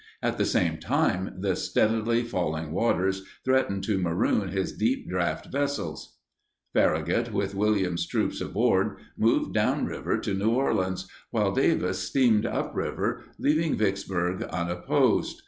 At the same time, the steadily falling waters threatened to maroon his deep draught vessels. Farragut, with Williams' troops aboard, moved down river to New Orleans, while Davis steamed up river, leaving Vicksburg unopposed.